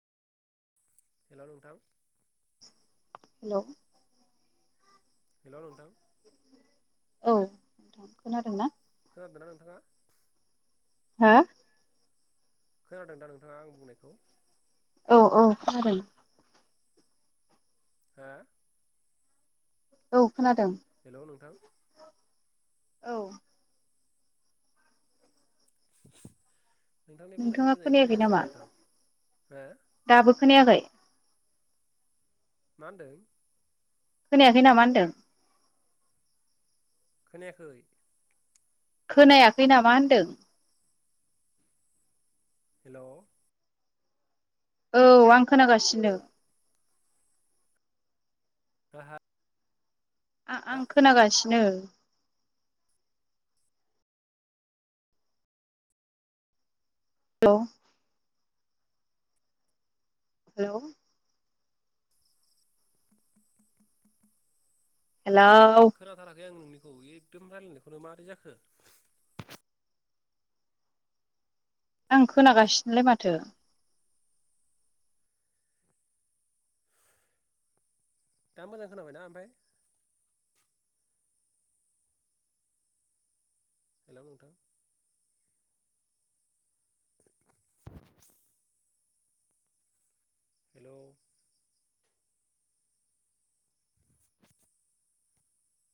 Hello नोंथां hello hello नोंथां औ खोनादों ना खोनादोना नोंथाङा हा खोनादों दा नोंथाङा आं बुंनायखौ औ औ खोनादों हो? औ खोनादों। हेल' नोंथां? औ नोंथांनि बुंनायखौ नोंथाङा मोजाङै खोनायाखै खोनायासै नामा? आं नोंथां हो? दाबो खोनायाखै? मा होनदों? खोनायाखै नामा होनदों? खोनायाखै खोनायाखै नामा होन्दों? हेलै औ आं खोनागासिनो हा हा? आ-आं खोनागासिनो हेल' हेलै हेलाव खोनाथाराखै आं नोंनिखौ एकदम रायलायनायखौनो एकदम मारै जाखो? आं खोनागासिनोलाय माथो दा मोजां खोनाबाय ना ओमफाय हेल' नोंथां? उम हेलौ